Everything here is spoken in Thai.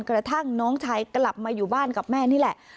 กระทั่งน้องชายกลับมาอยู่บ้านกับแม่นี่แหละ